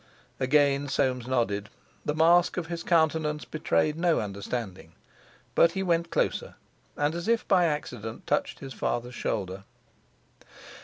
Again Soames nodded; the mask of his countenance betrayed no understanding, but he went closer, and as if by accident touched his father's shoulder.